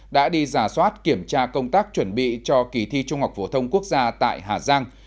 đã đi giả soát kiểm tra công tác chuẩn bị cho kỳ thi trung học phổ thông quốc gia tại hà giang